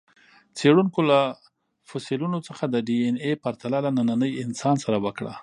څېړونکو له فسیلونو څخه د ډياېناې پرتله له ننني انسان سره وکړه.